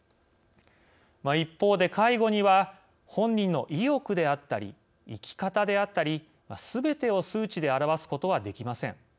一方で、介護には本人の意欲であったり生き方であったりすべてを数値で表すことはできません。